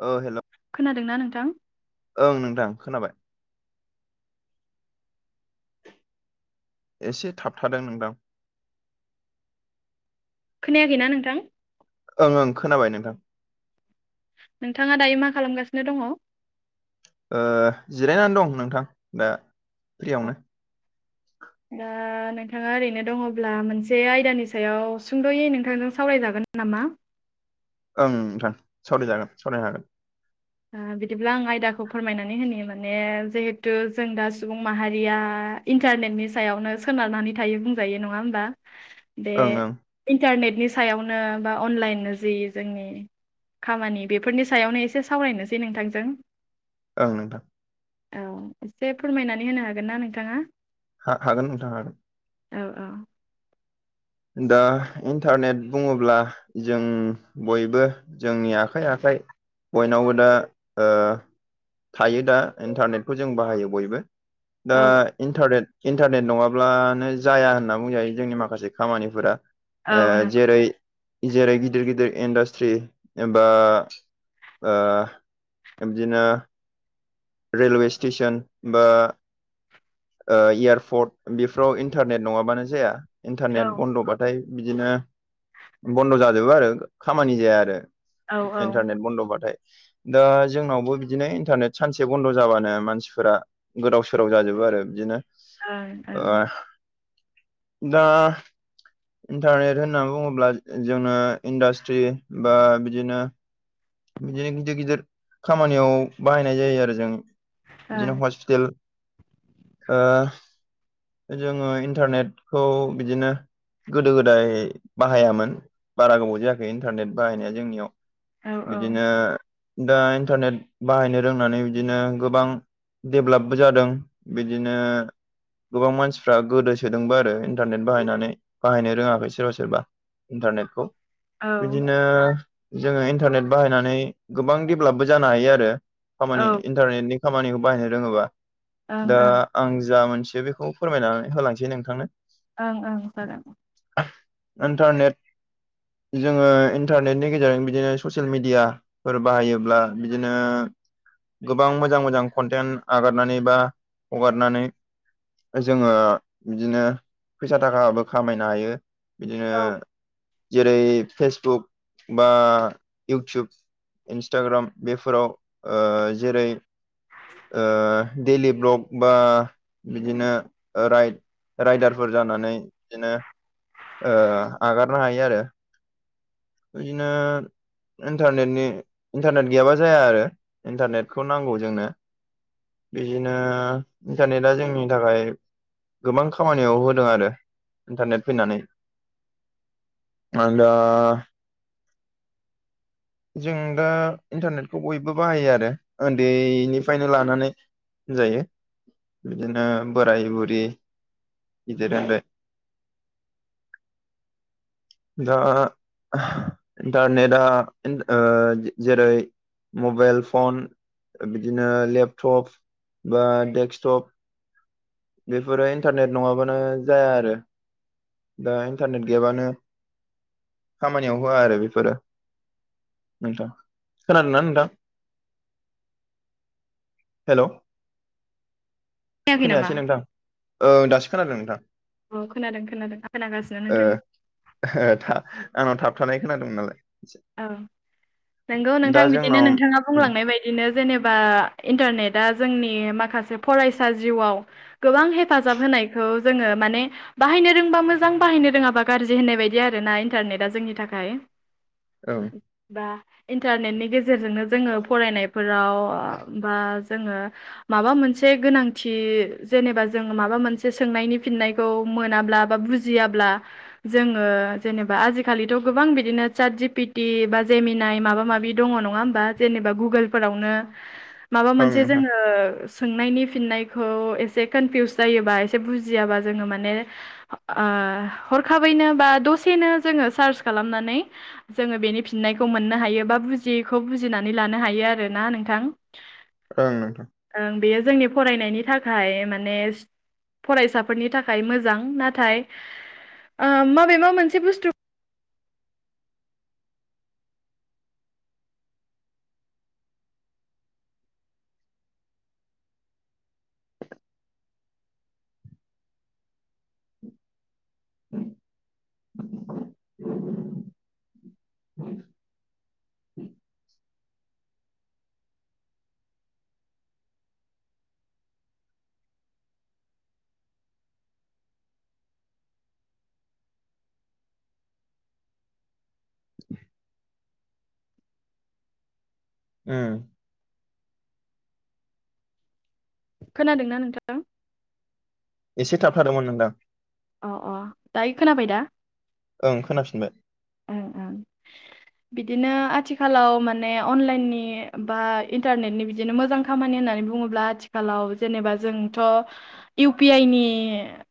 औ हेल' खोनादोंना नोंथां? ओं नोंथां खोनाबाय। एसे थाबथादों नोंदां खोनायाखैना नोंथां? ओं ओं खोनाबाय नोंथां। नोंथाङा दायो मा खालामगासिनो दङ? ओ जिरायनानै दं नोंथां दा फ्रियावनो। दा नोंथाङा ओरैनो दङब्ला मोनसे आयदानि सायाव सुंद'यै नोंथांजों सावरायजागोन नामा? ओं नोंथां सावरायजागोन सावररायनो हागोन। ओ बिदिब्ला आं आयदाखौ फोरमायनानै होनो माने जिहेथु जों दा सुबुं माहारिया इन्टारनेटनि सायावनो सोनारनानै थायो बुंजायो नङा होमबा बे ओं ओं इन्टारनेटनि सायावनो बा अनलाइन जि जोंनि खामानि बेफोरनि सायावनो एसे सावरायनोसै नोंथांजों। ओं नोंथां औ एसे फोरमायनानै होनो हागोन ना नोंथाङा? हा हागोन नोंथां हागोन। औ औ दा इन्टारनेट बुङोब्ला जों बयबो जोंनि आखाइ आखाइ बयनावबो दा ओ थायो दा इन्टारनेटखौ जों बाहायो बयबो दा औ इन्टारनेट इन्टारनेट नङाब्लानो जाया होनना बुंजायो जोंनि माखासे खामानिफोरा ओ औ नों जेरै जेरै-गिदिर गिदिर इन्डास्ट्रि एबा ओ बिदिनो रेलवे स्टेसन बा एयारपर्ट बेफोराव इन्टारनेट नङाबानो जाया औ इन्टारनेट बन्द'बाथाय बिदिनो बन्द' जाजोबो आरो खामानि जाया आरो औ ओं ओं इन्टारनेट बन्द'बाथाय दा जोंनावबो बिदिनो इन्टारनेट सानसे बन्द' जाबानो मानसिफोरा गोदाव सोराव जाजोबो आरो बिदिनो। ओ ओं दा इन्टारनेट होनना बुङोब्ला जोंनो इन्डास्ट्रि बा बिदिनो बिदिनो गिदिर गिदिर खामानियाव बाहायनाय जायो आरो जों औ बिदिनो हस टेल ओ जोंङो इन्टारनेटखौ बिदिनो गोदो गोदाय बाहायामोन बारा गोबाव जायाखै इन्टारनेट बाहायनाया जोंनियाव औ औ बिदिनो दा इन्टारनेट बाहायनो रोंनानै बिदिनो गोबां देभेलपबो जादों बिदिनो गोबां मानसिफ्रा गोदोसोदोंबो आरो इन्टारनेट बाहायनानै बाहायनो रोङाखै सोरबा सोरबा इन्टारनेटखौ ओं बिदिनो जोंङो इन्टारनेट बाहायनानै गोबां देभलपबो जानो हायो आरो खामानि ओं इन्टारनेटनि खामानिखौ बाहायनो रोङोबा दा आं जा मोनसे बेखौ फोरमायनानै होलांसै नोंथांनो ओं ओं जागोन। इन्टारनेट जोऔङो इन्टारनेटनि गेजेरजों बिदिनो ससे ससियेल मिडियाफोर बाहायोब्ला बिदिनो गोबां मोजां मोजां कन्टेन्ट आगारनानै बा हगारनानै जोङो बिदिनो फैसा थाखाबो खामायनो हायो बिदिनो औ जेरै फेसबुक बा इउटुब इन्सटाग्राम बेफोराव ओ जेरै ओ डेलि ब्लक बा बिदिनो राइड रायदारफोर जानानै बिदिनो एगारनो हायो आरो बिदिनो इन्टारनेटनि इन्टारनेट गैयाबा जाया आरो इन्टारनेटखौ नांगौ जोंनो बिदिनो इन्टारनेटआ जोंनि थाखाय गोबां खामानियाव होदों आरो इन्टारनेट फैनानै मानोना जों दा इन्टारनेटखौ बयबो बाहायो आरो उन्दैनिफ्रायनो लानानै होन जायो बिदिनो बोराय बुरि गिदिर उन्दै [inaudible] दा इन्टारनेटआ ओ जेरै मबाइल फन बिदिनो लेपटप बा डेक्स्कटप बेफोरो इन्टारनेट नङाबानो जाया आरो दा इन्टारनेट गेबानो खामानियाव होआ आरो बेफो फोरो नोंथां खोनादोंना नोंथां हेल' [inaudible] नामा खोनायासै नोंथां ओं दासो खोनादों नोंथां औ खोनादों खोनादों आं खोनागासिनो औ नोंथांनि आंनाव थाबथ खोनादोंमोन नालाय औ नंगौ नोंथां दा बिदिनो जोंनाव नोंथाङा उम बुंलांनाय बायदिनो जेनेबा इन्टारनेटआ जोंनि माखासे फरायसा जिउआव गोबां हेफाजाब होनायखौ जोङो माने बाहायनो रोंबा मोजां बाहायनो रोङाबा गाज्रि होननाय बायदि आरोना इन्टारनेटआ जोंनि थाखाय औ बा इन्टारनेटनि गेजेरजोंनो जोङो फरायनायफोराव बा जोङो माबा मोनसे गोनांथि जेनेबा जों माबा मोनसे सोंनायनि फिननाय खौ मोनाब्ला बा बुजियाब्ला जोङो जेनेबा आजिखालिथ' गोबां बिदिनो चादज पिट टि बा जेमिनाय माबा माबि दङ नङा होमबा जेनेबा गुगोलफोरावनो माबा ओं मोनसे नोंथां जोङो सोंनायनि फिननायखौ एसे कनफिउस जायोबा एसे बुजियाबा जोङो माने हरखाबैनो बा दसेनो जोङो सार्च खालामनानै जोङो बेनि फिननायखौ मोननो हायो बा बुजियैखौ बुजिनानै लानो हायो आर ना नोंथां ओं नोंथां ओं बेयो जोंनि फरायनायनि थाखाय माने फरायसाफोरनि थाखाय मोजां नाथाय माबे मा मोनसे बुस्थु [inaudible] [inaudible] [inaudible] औ खोनादों ना नोंथां एसे थाबथादोंमोन नोंथां अ अ दायो खोनाबाय दा ओं खोनाफिनबाय ओ ओं बिदिनो आथिखालाव माने अनलाइननि बा इन्टारनेटनि बिदिनो मोजां खामानि होननानै बुङोब्ला आथिखालाव जेनेबा जोंथ' इउ पि आइ नि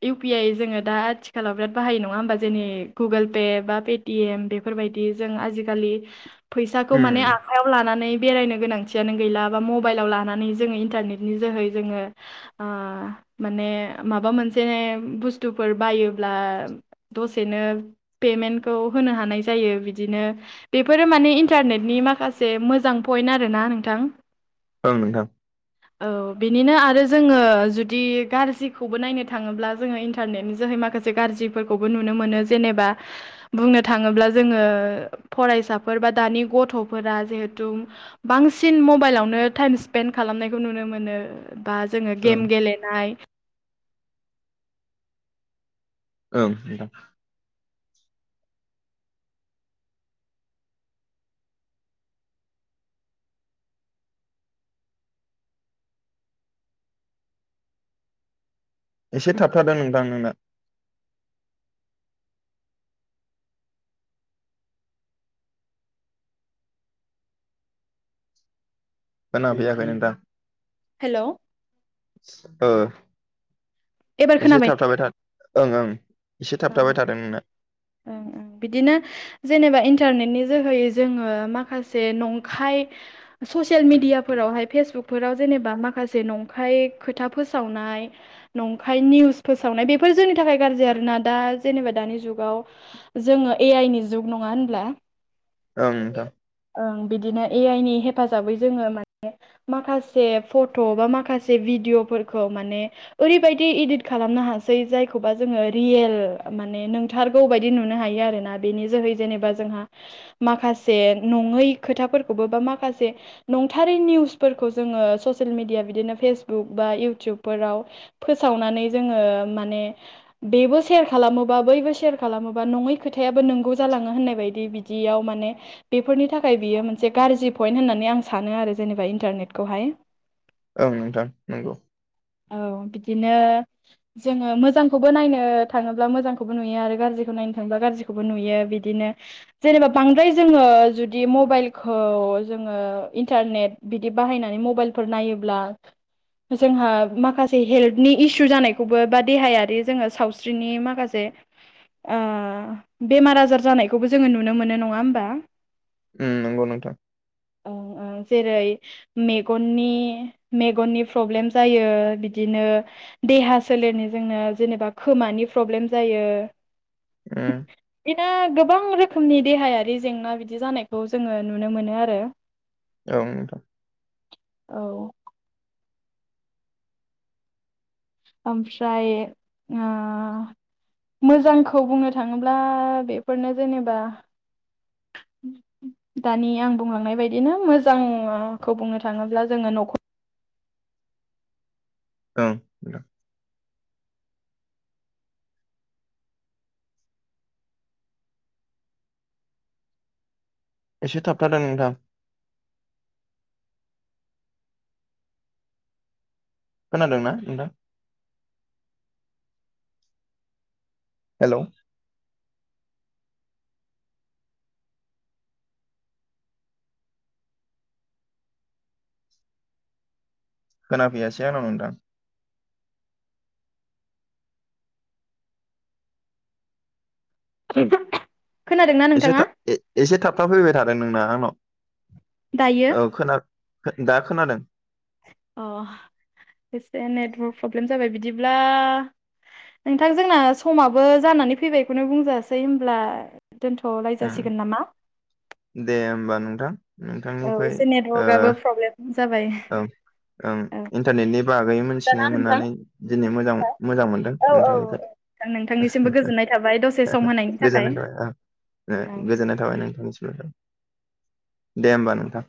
इउ पि आइ जोङो दा आथिखालाव बिराद बाहायायो नङा होमबा जोंनि गुगोल पे बा पे टि एम बेफोरबायदि जों आजिखालि फैसाखौ माने उम आखायाव लानानै बेरायनो गोनांथियानो गैला। बा मबाइलाव लानानै जोङो इन्टारनेटनि जोहै जोङो ओ माने माबा मोनसे बुस्थुफोर बायोब्ला दसेनो पेमेन्टखौ होनो हानाय जायो बिदिनो बेफोरो माने इन्टारनेटनि माखासे मोजां पइन्ट आरो ना नोंथां। ओं नोंथां। औ बेनिनो आरो जोङो जुदि गाज्रिखौबो नायनो थाङोब्ला जोङो इन्टारनेटनि जोहै माखासे गाज्रिफोरखौबो नुनो मोनो जेनेबा बुंनो थाङोब्ला जोङो फरायसाफोर बा दानि गथ'फोरा जिहेथु बांसिन मबाइलावनो टाइम स्पेन्ड खालामनायखौ नुनो मोनो। बा जोङो ओं गेम गेलेनाय ओं एसे थाबथादों नोंथां नोंना। खोनाफैयाखै नोंथां। हेल' ओ एबार एसे खोनाबाय थाब थाबाय था ओं ओं एसे औ थाबथाबाय थादों नोंना। ओं ओं बिदिनो जेनेबा इन्टारनेटनि जोहै जोङो माखासे नंखाय ससियेल मिडियाफोरावहाय फेसबुकफोराव जेनेबा माखासे नंखाय खोथा फोसावनाय नंखाय निउस फोसावनाय बेफोर जोंनि थाखाय गाज्रि आरोना दा जेनेबा दानि जुगाव। जोङो ए आइ नि जुग नङा होनब्ला? ओं नोंथां ओं बिदिनो ए आइ नि हेफाजाबै जोङो माने माखासे फट' बा माखासे भिडिअ'फोरखौ माने ओरैबायदि इदित खालामनो हासै जायखौबा जोङो रियेल माने नोंथार बायायदि नुनो हायो आरोना बेनि जोहै जेनेबा जोंहा माखासे नङै खोथाफोरखौबो बा माखासे नंथारै निउसफोरखौ जोङो ससियेल मिडिया बिदिनो फेसबुक बा इउटुबफोराव फोसावनानै जोङो माने बेबो सेयार खालामोबा बैबो सेयार खालामोबा नङै खोथायाबो नंगौ जालाङो होननाय बायदि बिदियाव माने बेफोरनि थाखाय बियो मोनसे गाज्रि पइन्ट होननानै आं सानो आरो जेनेबा इन्टारनेटखौहाय। ओं नोंथां नंगौ। औ बिदिनो जोङो मोजांखौबो नायनो थाङोब्ला मोजांखौबो नुयो आरो। गाज्रिखौ नायनो थांबा गाज्रिखौबो नुयो। बिदिनो जेनेबा बांद्राय जोङो जुदि मबाइलखौ जोङो इन्टारनेट बिदि बाहायनानै मबाइलफोर नायोब्ला जोंहा माखासे हेल्थनि इसु जानायखौबो बा देहायारि जोङो सावस्रिनि माखासे ओ बेमार आजार जानायखौबो जोङो नुनो मोनो। नङा होमबा? ओ। नंगौ नोंथां ओंं जेरै मेगननि मेगननि प्रब्लेम जायो बिदिनो देहा सोलेरनिजोंनो जेनेबा खोमानि प्रब्लेम जायो। उम। बिदिनो गोबां रोखोमनि देहायारि जेंना बिदि जानायखौ जोङो नुनो मोनो आरो। ओं नोंथां। औ। ओमफ्राय ओ मोजांखौ बुंनो थाङोब्ला बेफोरनो जेनेबा दानि आं बुंलांनाय बायदिनो मोजांखौ बुंनो थाङोब्ला जोङो न'खर ओं। नोंथां एसे थाबथादों नोंथां। खोनादों ना नोंथां? हेलव? खोनाफैयासै आंनाव नोंथां। [inaudible] खोनादोंना एसे नोंथाङा था एसे थाबथाफैबाय थादों नोंना आंनाव। दायो औ खोना दा खोनादों। अ एसे नेटवर्क प्रब्लेम जाबाय बिदिब्ला नोंथां जोंना समाबो जानानै फैबायखौनो बुंजासै, होनब्ला दोनथ' उम लायजासिगोन नामा? दे होमबा नोंथां। औ नोंथांनिफ्राय एसे ओ नेटवर्कआबो प्रब्लेम जाबाय। ओं ओं औ इन्टारनेटनि बागै मोनथिनो ना मोननानै नोंथां दिनै मोजां मोजां मोनदों औ औ नोंथांनिफ्राय। नोंथांनिसिमबो गोजोननाय थाबाय दसे सम होनायनि थाखाय गोजोननाय थाबाय ओं। ओ औ गोजोननाय थाबाय नोंथांनिसिमबो। दे होमबा नोंथां।